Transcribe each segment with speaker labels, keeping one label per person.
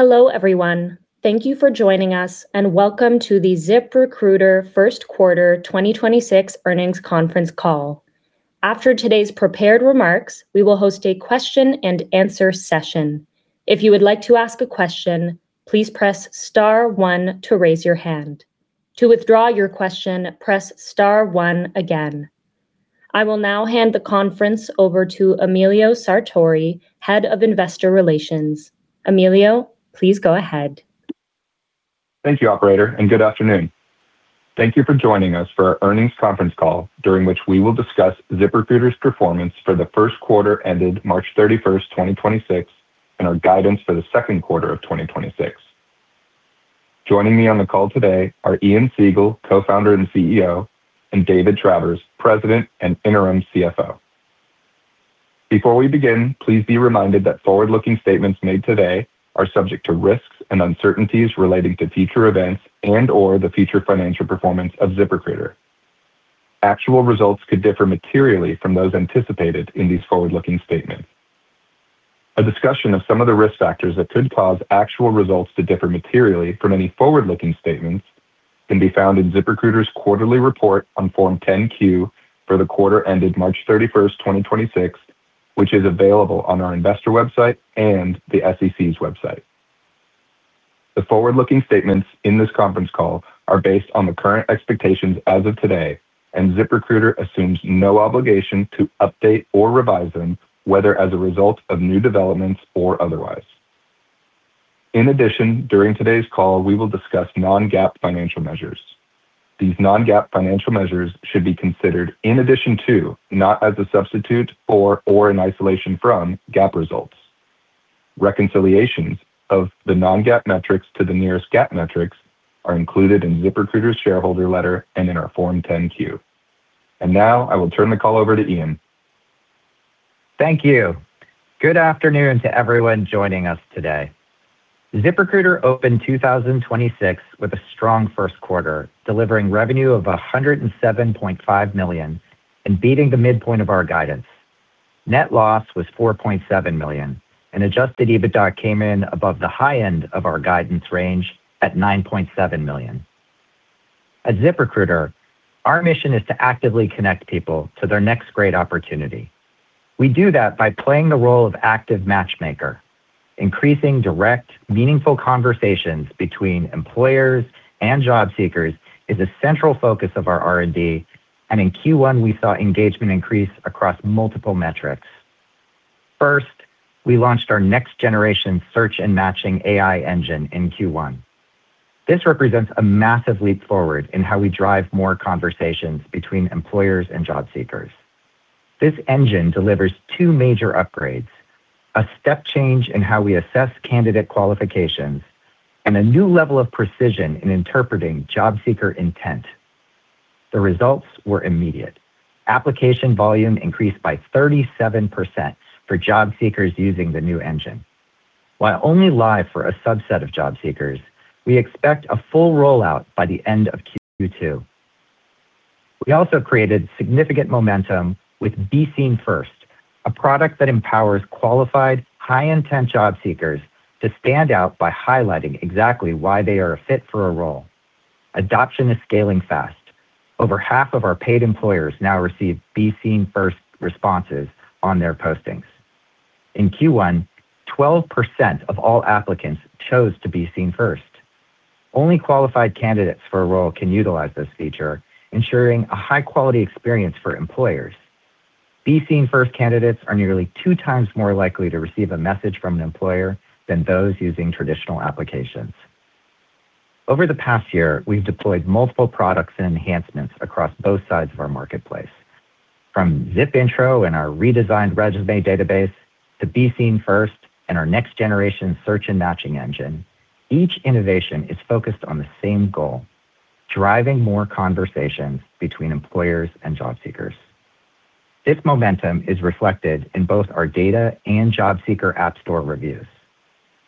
Speaker 1: Hello, everyone. Thank you for joining us, and welcome to the ZipRecruiter First Quarter 2026 Earnings Conference Call. After today's prepared remarks, we will host a question-and-answer session. If you would like to ask a question, please press star one to raise your hand. To withdraw your question, press star one again. I will now hand the conference over to Emilio Sartori, Head of Investor Relations. Emilio, please go ahead.
Speaker 2: Thank you, operator. Good afternoon. Thank you for joining us for our earnings conference call, during which we will discuss ZipRecruiter's performance for the first quarter ended 31st March, 2026, and our guidance for the second quarter of 2026. Joining me on the call today are Ian Siegel, Co-Founder and CEO, and David Travers, President and interim CFO. Before we begin, please be reminded that forward-looking statements made today are subject to risks and uncertainties relating to future events and/or the future financial performance of ZipRecruiter. Actual results could differ materially from those anticipated in these forward-looking statements. A discussion of some of the risk factors that could cause actual results to differ materially from any forward-looking statements can be found in ZipRecruiter's quarterly report on Form 10-Q for the quarter ended 31st March, 2026, which is available on our investor website and the SEC's website. The forward-looking statements in this conference call are based on the current expectations as of today, and ZipRecruiter assumes no obligation to update or revise them, whether as a result of new developments or otherwise. In addition, during today's call, we will discuss non-GAAP financial measures. These non-GAAP financial measures should be considered in addition to, not as a substitute for or in isolation from, GAAP results. Reconciliations of the non-GAAP metrics to the nearest GAAP metrics are included in ZipRecruiter's shareholder letter and in our Form 10-Q. Now I will turn the call over to Ian.
Speaker 3: Thank you. Good afternoon to everyone joining us today. ZipRecruiter opened 2026 with a strong first quarter, delivering revenue of $107.5 million and beating the midpoint of our guidance. Net loss was $4.7 million, and Adjusted EBITDA came in above the high end of our guidance range at $9.7 million. At ZipRecruiter, our mission is to actively connect people to their next great opportunity. We do that by playing the role of active matchmaker. Increasing direct, meaningful conversations between employers and job seekers is a central focus of our R&D, and in Q1, we saw engagement increase across multiple metrics. First, we launched our next-generation search and matching AI engine in Q1. This represents a massive leap forward in how we drive more conversations between employers and job seekers. This engine delivers two major upgrades: a step change in how we assess candidate qualifications and a new level of precision in interpreting job seeker intent. The results were immediate. Application volume increased by 37% for job seekers using the new engine. While only live for a subset of job seekers, we expect a full rollout by the end of Q2. We also created significant momentum with Be Seen First, a product that empowers qualified, high-intent job seekers to stand out by highlighting exactly why they are a fit for a role. Adoption is scaling fast. Over half of our paid employers now receive Be Seen First responses on their postings. In Q1, 12% of all applicants chose to Be Seen First. Only qualified candidates for a role can utilize this feature, ensuring a high-quality experience for employers. Be Seen First candidates are nearly two times more likely to receive a message from an employer than those using traditional applications. Over the past year, we've deployed multiple products and enhancements across both sides of our marketplace. From ZipIntro and our redesigned resume database to Be Seen First and our next-generation search and matching engine, each innovation is focused on the same goal: driving more conversations between employers and job seekers. This momentum is reflected in both our data and job seeker app store reviews.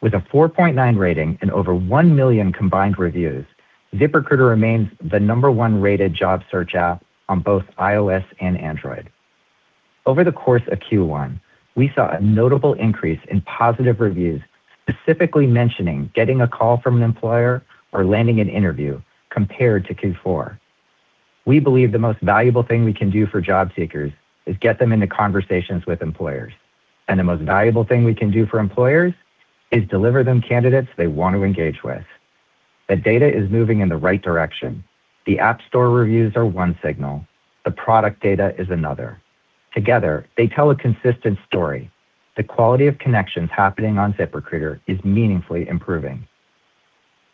Speaker 3: With a 4.9 rating and over one million combined reviews, ZipRecruiter remains the number-1-rated job search app on both iOS and Android. Over the course of Q1, we saw a notable increase in positive reviews, specifically mentioning getting a call from an employer or landing an interview compared to Q4. We believe the most valuable thing we can do for job seekers is get them into conversations with employers. The most valuable thing we can do for employers is deliver them candidates they want to engage with. The data is moving in the right direction. The app store reviews are one signal. The product data is another. Together, they tell a consistent story. The quality of connections happening on ZipRecruiter is meaningfully improving.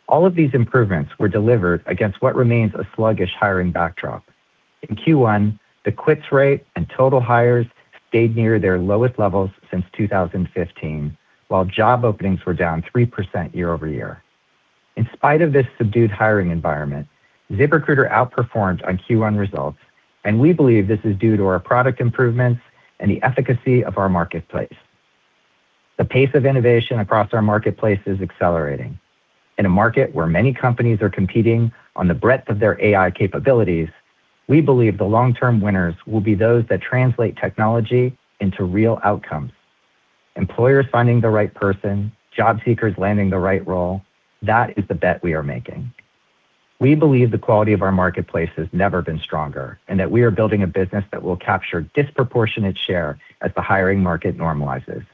Speaker 3: All of these improvements were delivered against what remains a sluggish hiring backdrop. In Q1, the quits rate and total hires stayed near their lowest levels since 2015, while job openings were down 3% year-over-year. In spite of this subdued hiring environment, ZipRecruiter outperformed on Q1 results, and we believe this is due to our product improvements and the efficacy of our marketplace. The pace of innovation across our marketplace is accelerating. In a market where many companies are competing on the breadth of their AI capabilities, we believe the long-term winners will be those that translate technology into real outcomes. Employers finding the right person, job seekers landing the right role, that is the bet we are making. We believe the quality of our marketplace has never been stronger, and that we are building a business that will capture disproportionate share as the hiring market normalizes.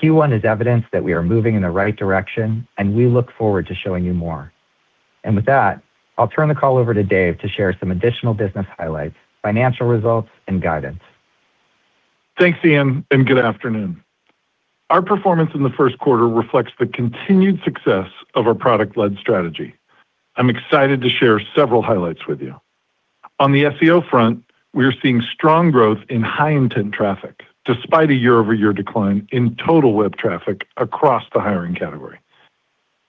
Speaker 3: Q1 is evidence that we are moving in the right direction, and we look forward to showing you more. With that, I'll turn the call over to Dave to share some additional business highlights, financial results, and guidance.
Speaker 4: Thanks, Ian, and good afternoon. Our performance in the first quarter reflects the continued success of our product-led strategy. I'm excited to share several highlights with you. On the SEO front, we're seeing strong growth in high-intent traffic, despite a year-over-year decline in total web traffic across the hiring category.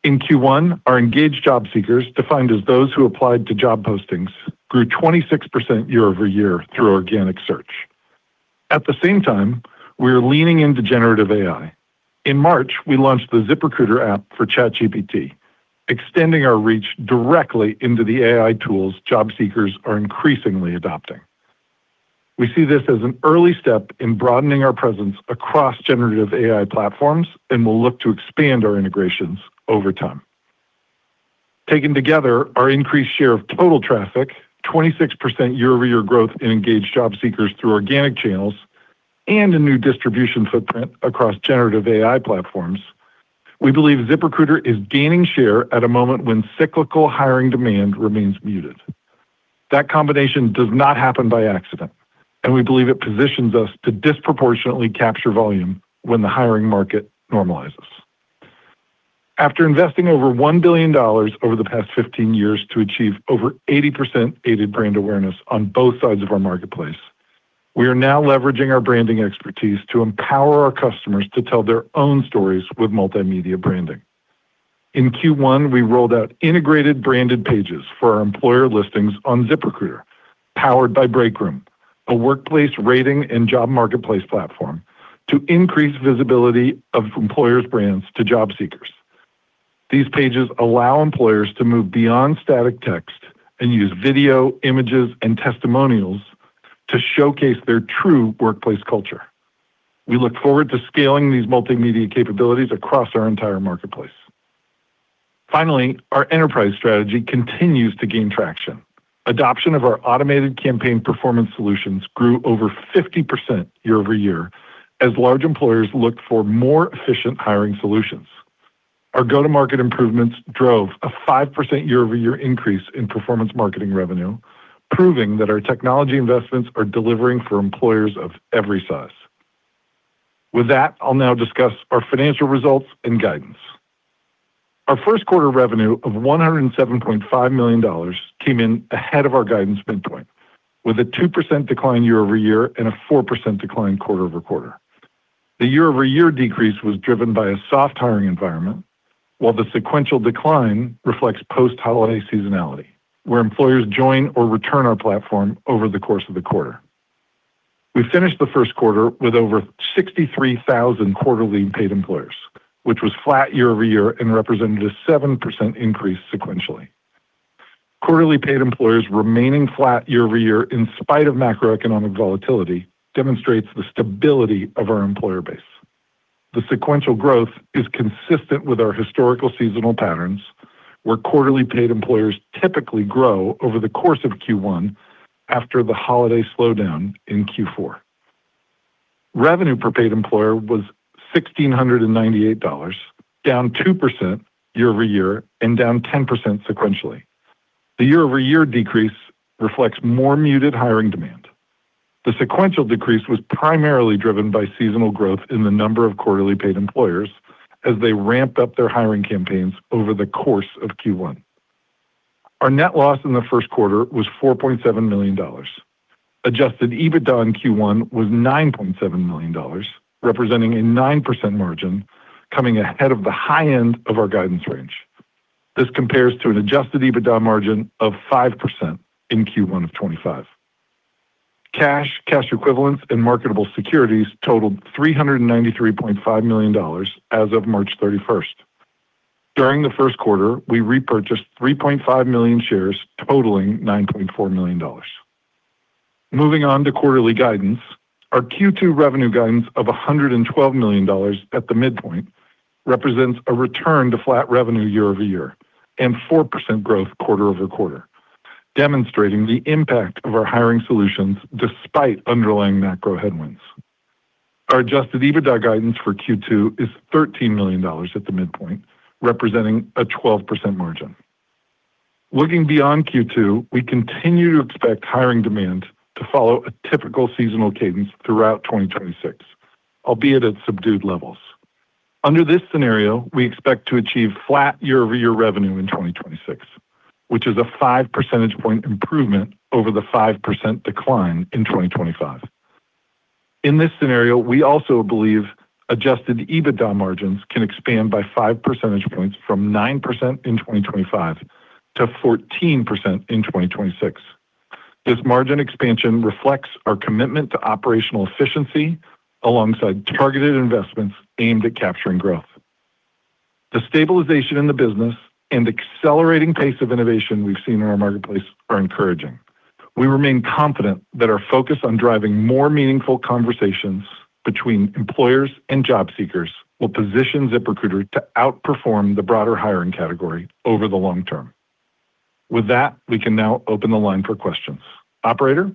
Speaker 4: In Q1, our engaged job seekers, defined as those who applied to job postings, grew 26% year-over-year through organic search. At the same time, we are leaning into generative AI. In March, we launched the ZipRecruiter app for ChatGPT, extending our reach directly into the AI tools job seekers are increasingly adopting. We see this as an early step in broadening our presence across generative AI platforms, and we'll look to expand our integrations over time. Taken together, our increased share of total traffic, 26% year-over-year growth in engaged job seekers through organic channels, and a new distribution footprint across generative AI platforms, we believe ZipRecruiter is gaining share at a moment when cyclical hiring demand remains muted. That combination does not happen by accident, and we believe it positions us to disproportionately capture volume when the hiring market normalizes. After investing over $1 billion over the past 15 years to achieve over 80% aided brand awareness on both sides of our marketplace, we are now leveraging our branding expertise to empower our customers to tell their own stories with multimedia branding. In Q1, we rolled out integrated branded pages for our employer listings on ZipRecruiter, powered by Breakroom, a workplace rating and job marketplace platform, to increase visibility of employers' brands to job seekers. These pages allow employers to move beyond static text and use video, images, and testimonials to showcase their true workplace culture. We look forward to scaling these multimedia capabilities across our entire marketplace. Finally, our enterprise strategy continues to gain traction. Adoption of our automated campaign performance solutions grew over 50% year-over-year as large employers look for more efficient hiring solutions. Our go-to-market improvements drove a 5% year-over-year increase in performance marketing revenue, proving that our technology investments are delivering for employers of every size. With that, I'll now discuss our financial results and guidance. Our first quarter revenue of $107.5 million came in ahead of our guidance midpoint, with a 2% decline year-over-year and a 4% decline quarter-over-quarter. The year-over-year decrease was driven by a soft hiring environment, while the sequential decline reflects post-holiday seasonality, where employers join or return our platform over the course of the quarter. We finished the first quarter with over 63,000 quarterly paid employers, which was flat year-over-year and represented a 7% increase sequentially. Quarterly paid employers remaining flat year-over-year in spite of macroeconomic volatility demonstrates the stability of our employer base. The sequential growth is consistent with our historical seasonal patterns, where quarterly paid employers typically grow over the course of Q1 after the holiday slowdown in Q4. Revenue per paid employer was $1,698, down 2% year-over-year and down 10% sequentially. The year-over-year decrease reflects more muted hiring demand. The sequential decrease was primarily driven by seasonal growth in the number of quarterly paid employers as they ramped up their hiring campaigns over the course of Q1. Our net loss in the first quarter was $4.7 million. Adjusted EBITDA in Q1 was $9.7 million, representing a 9% margin coming ahead of the high end of our guidance range. This compares to an Adjusted EBITDA margin of 5% in Q1 of 2025. Cash, cash equivalents, and marketable securities totaled $393.5 million as of 31st March. During the first quarter, we repurchased 3.5 million shares, totaling $9.4 million. Moving on to quarterly guidance, our Q2 revenue guidance of $112 million at the midpoint represents a return to flat revenue year-over-year and 4% growth quarter-over-quarter, demonstrating the impact of our hiring solutions despite underlying macro headwinds. Our Adjusted EBITDA guidance for Q2 is $13 million at the midpoint, representing a 12% margin. Looking beyond Q2, we continue to expect hiring demand to follow a typical seasonal cadence throughout 2026, albeit at subdued levels. Under this scenario, we expect to achieve flat year-over-year revenue in 2026, which is a five percentage point improvement over the 5% decline in 2025. In this scenario, we also believe Adjusted EBITDA margins can expand by 5 percentage points from 9% in 2025 to 14% in 2026. This margin expansion reflects our commitment to operational efficiency alongside targeted investments aimed at capturing growth. The stabilization in the business and accelerating pace of innovation we've seen in our marketplace are encouraging. We remain confident that our focus on driving more meaningful conversations between employers and job seekers will position ZipRecruiter to outperform the broader hiring category over the long term. With that, we can now open the line for questions. Operator?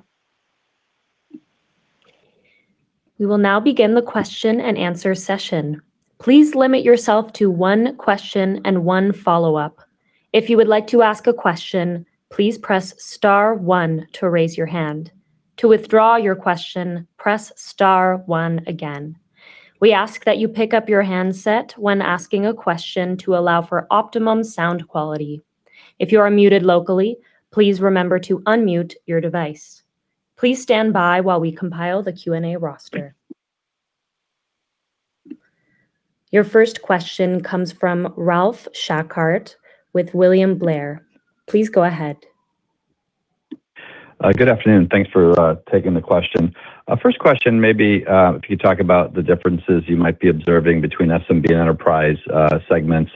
Speaker 1: Your first question comes from Ralph Schackart with William Blair. Please go ahead.
Speaker 5: Good afternoon. Thanks for taking the question. First question maybe, if you could talk about the differences you might be observing between SMB and enterprise segments.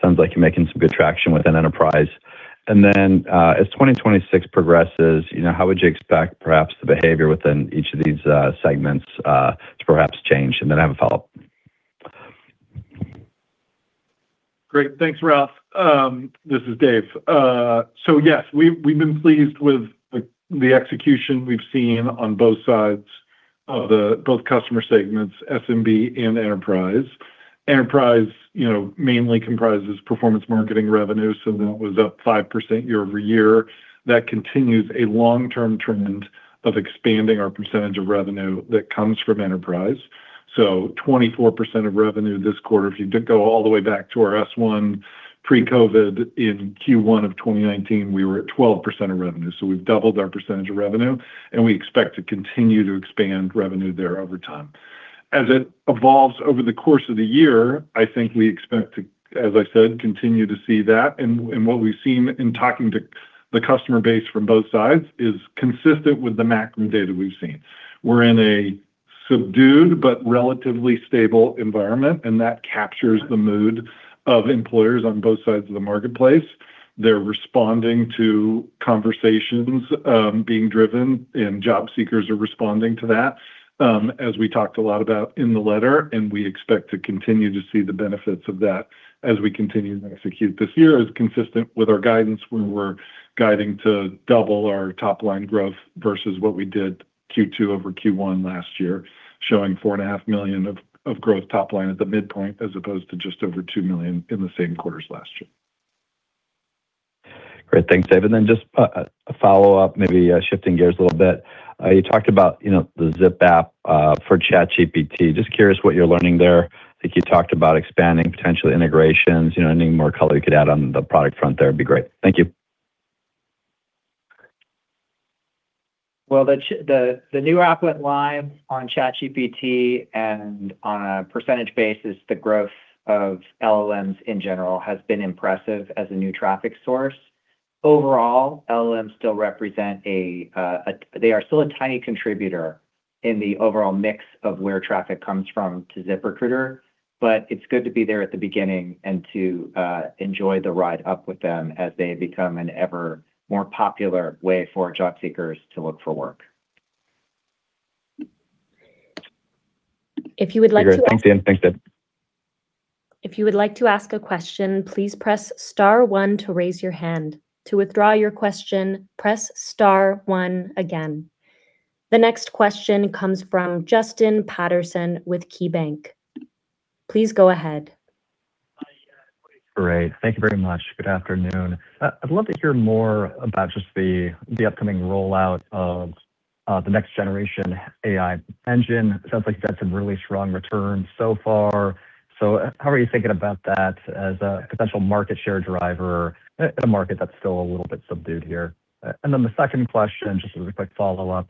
Speaker 5: Sounds like you're making some good traction within enterprise. As 2026 progresses, you know, how would you expect perhaps the behavior within each of these segments to perhaps change? I have a follow-up.
Speaker 4: Great. Thanks, Ralph. This is Dave. Yes, we've been pleased with the execution we've seen on both sides of the customer segments, SMB and Enterprise. Enterprise mainly comprises performance marketing revenue, that was up 5% year-over-year. That continues a long-term trend of expanding our percentage of revenue that comes from Enterprise. 24% of revenue this quarter. If you go all the way back to our S-1 pre-COVID in Q1 of 2019, we were at 12% of revenue. We've doubled our percentage of revenue, and we expect to continue to expand revenue there over time. As it evolves over the course of the year, I think we expect to, as I said, continue to see that. What we've seen in talking to the customer base from both sides is consistent with the macro data we've seen. We're in a subdued but relatively stable environment, and that captures the mood of employers on both sides of the marketplace. They're responding to conversations being driven, and job seekers are responding to that as we talked a lot about in the letter. We expect to continue to see the benefits of that as we continue to execute this year. As consistent with our guidance, we were guiding to double our top line growth versus what we did Q2 over Q1 last year, showing $4.5 million of growth top line at the midpoint, as opposed to just over $2 million in the same quarters last year.
Speaker 5: Great. Thanks, Dave. Then just a follow-up, maybe shifting gears a little bit. You talked about, you know, the Zip app for ChatGPT. Just curious what you're learning there. I think you talked about expanding potential integrations. You know, any more color you could add on the product front there would be great. Thank you.
Speaker 3: Well, the new app went live on ChatGPT, on a percentage basis, the growth of LLMs in general has been impressive as a new traffic source. Overall, LLMs still represent a tiny contributor in the overall mix of where traffic comes from to ZipRecruiter, it's good to be there at the beginning and to enjoy the ride up with them as they become an ever more popular way for job seekers to look for work.
Speaker 1: If you would like to ask.
Speaker 5: Great. Thanks, Ian Siegel. Thanks, David Travers.
Speaker 1: If you would like to ask a question, please press star one to raise your hand. To withdraw your question, press star one again. The next question comes from Justin Patterson with KeyBanc. Please go ahead.
Speaker 6: Great. Thank you very much. Good afternoon. I'd love to hear more about just the upcoming rollout of the next generation AI engine. Sounds like that's had some really strong returns so far. How are you thinking about that as a potential market share driver in a market that's still a little bit subdued here? The second question, just as a quick follow-up.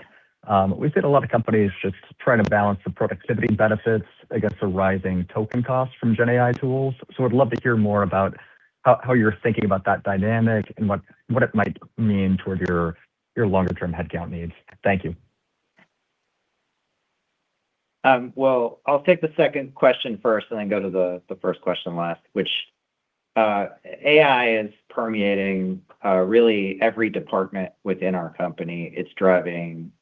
Speaker 6: We've seen a lot of companies just trying to balance the productivity benefits against the rising token costs from gen AI tools. I'd love to hear more about how you're thinking about that dynamic and what it might mean toward your longer term headcount needs. Thank you.
Speaker 3: I'll take the second question first and then go to the first question last. AI is permeating really every department within our company. It's driving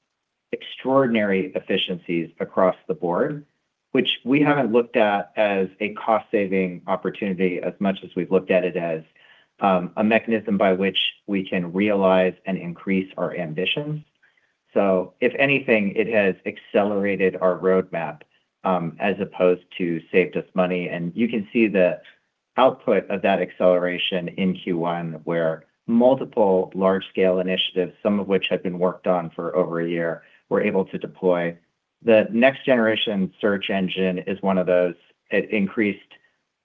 Speaker 3: extraordinary efficiencies across the board, which we haven't looked at as a cost saving opportunity as much as we've looked at it as a mechanism by which we can realize and increase our ambitions. If anything, it has accelerated our roadmap as opposed to saved us money. You can see the output of that acceleration in Q1, where multiple large scale initiatives, some of which had been worked on for over one year, were able to deploy. The next generation search engine is one of those. It increased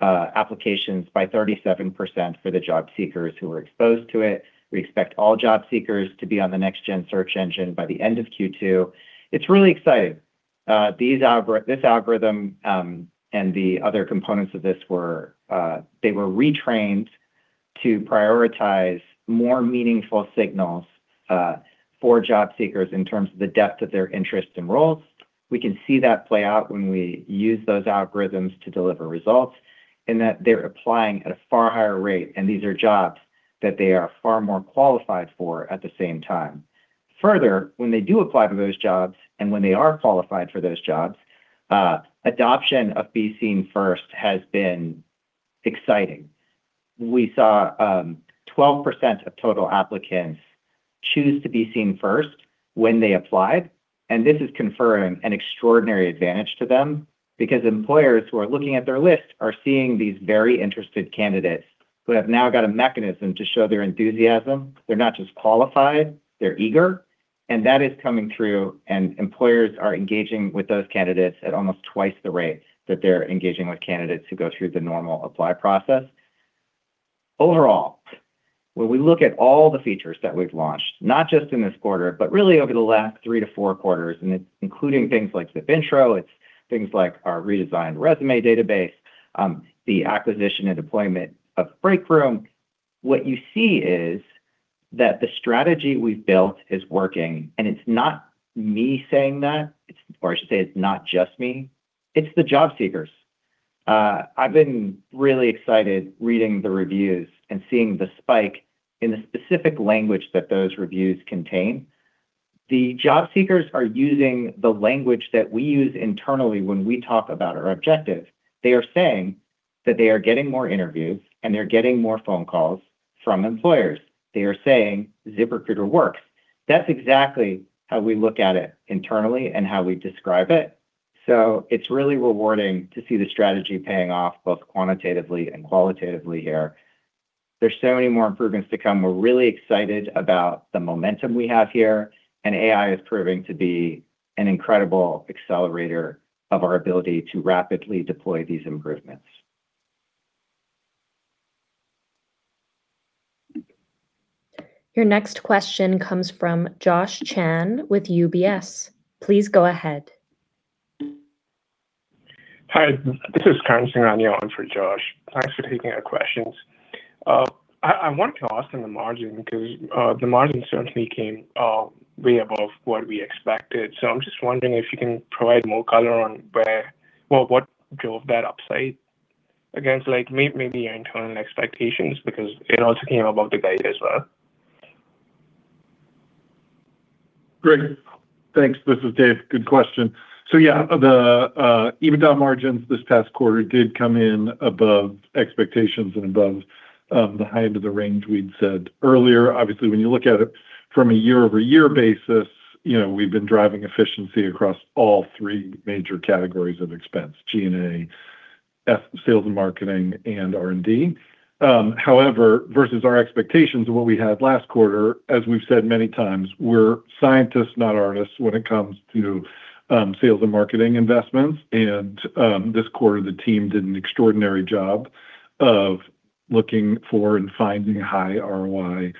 Speaker 3: applications by 37% for the job seekers who were exposed to it. We expect all job seekers to be on the next-gen search engine by the end of Q2. It's really exciting. This algorithm, and the other components of this were, they were retrained to prioritize more meaningful signals, for job seekers in terms of the depth of their interest and roles. We can see that play out when we use those algorithms to deliver results in that they're applying at a far higher rate, and these are jobs that they are far more qualified for at the same time. When they do apply for those jobs and when they are qualified for those jobs, adoption of Be Seen First has been exciting. We saw 12% of total applicants choose to Be Seen First when they applied, and this is conferring an extraordinary advantage to them because employers who are looking at their list are seeing these very interested candidates who have now got a mechanism to show their enthusiasm. They're not just qualified, they're eager, and that is coming through, and employers are engaging with those candidates at almost twice the rate that they're engaging with candidates who go through the normal apply process. Overall, when we look at all the features that we've launched, not just in this quarter, but really over the last three to four quarters, and it's including things like ZipIntro, it's things like our redesigned resume database, the acquisition and deployment of Breakroom. What you see is that the strategy we've built is working, and it's not me saying that. It's not just me. It's the job seekers. I've been really excited reading the reviews and seeing the spike in the specific language that those reviews contain. The job seekers are using the language that we use internally when we talk about our objective. They are saying that they are getting more interviews and they're getting more phone calls from employers. They are saying, "ZipRecruiter works." That's exactly how we look at it internally and how we describe it. It's really rewarding to see the strategy paying off both quantitatively and qualitatively here. There's so many more improvements to come. We're really excited about the momentum we have here, and AI is proving to be an incredible accelerator of our ability to rapidly deploy these improvements.
Speaker 1: Your next question comes from Josh Chan with UBS. Please go ahead.
Speaker 7: Hi, this is Karan Singh Ranial. I'm for Josh. Thanks for taking our questions. I wanted to ask on the margin because the margin certainly came way above what we expected. I'm just wondering if you can provide more color on what drove that upside against like maybe your internal expectations, because it also came above the guide as well.
Speaker 4: Greg, thanks. This is Dave. Good question. Yeah, the EBITDA margins this past quarter did come in above expectations and above the high end of the range we'd said earlier. Obviously, when you look at it from a year-over-year basis, you know, we've been driving efficiency across all three major categories of expense, G&A, sales and marketing, and R&D. However, versus our expectations of what we had last quarter, as we've said many times, we're scientists, not artists, when it comes to sales and marketing investments. This quarter, the team did an extraordinary job of looking for and finding high ROI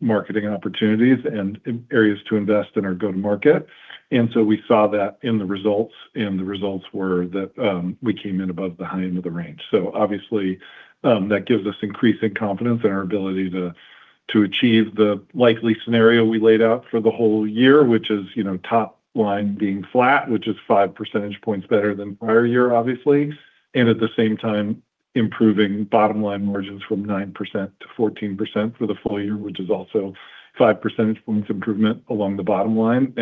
Speaker 4: marketing opportunities and areas to invest in our go-to-market. We saw that in the results, and the results were that we came in above the high end of the range. Obviously, that gives us increasing confidence in our ability to achieve the likely scenario we laid out for the whole year, which is, you know, top line being flat, which is 5 percentage points better than prior year, obviously. At the same time, improving bottom line margins from 9% to 14% for the full year, which is also 5 percentage points improvement along the bottom line.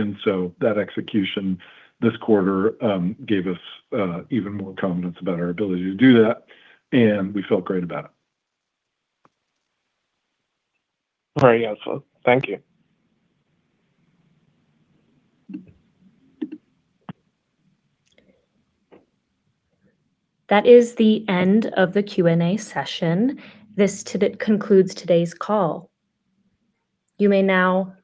Speaker 4: That execution this quarter gave us even more confidence about our ability to do that, and we felt great about it.
Speaker 7: Very useful. Thank you.
Speaker 1: That is the end of the Q&A session. This concludes today's call. You may now disconnect.